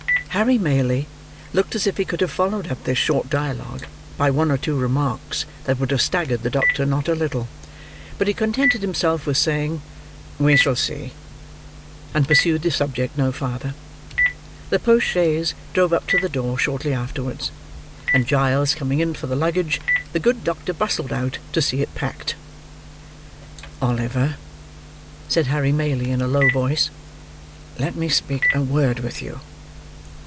Harry Maylie looked as if he could have followed up this short dialogue by one or two remarks that would have staggered the doctor not a little; but he contented himself with saying, "We shall see," and pursued the subject no farther. The post chaise drove up to the door shortly afterwards; and Giles coming in for the luggage, the good doctor bustled out, to see it packed. "Oliver," said Harry Maylie, in a low voice, "let me speak a word with you."